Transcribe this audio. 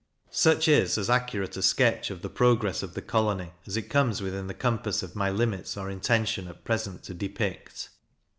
Such is as accurate a sketch of the progress of the colony as it comes within the compass of my limits or intention at present to depict.